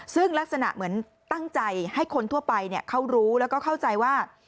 ซึ่งลักษณะเหมือนตั้งใจให้คนทั่วไปเขารู้แล้วก็เข้าใจว่า